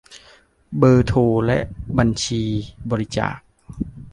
เบอร์โทรและบัญชีบริจาค